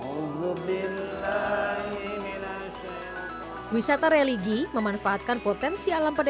wisata religi memanfaatkan potensi alam pedesaan dan keinginan para wisata